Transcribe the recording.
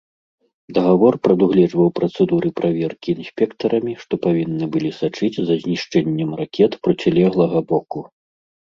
Дагавор прадугледжваў працэдуры праверкі інспектарамі, што павінны былі сачыць за знішчэннем ракет процілеглага боку.